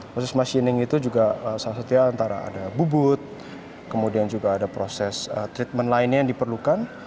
proses machining itu juga salah satunya antara ada bubut kemudian juga ada proses treatment lainnya yang diperlukan